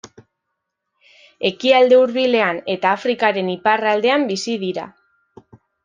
Ekialde Hurbilean eta Afrikaren iparraldean bizi dira.